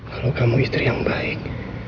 kalau kamu istri yang baik